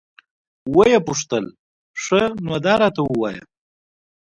ويې پوښتل ښه نو دا راته ووايه.